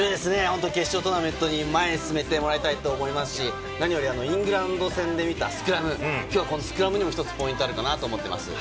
決勝トーナメントに前へ進めてもらいたいと思いますし、何よりイングランド戦で見たスクラム、きょうはこのスクラムにも１つポイントがあるかなと思っています。